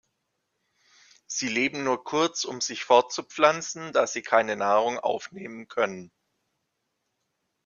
Sie leben nur kurz um sich fortzupflanzen, da sie keine Nahrung aufnehmen können.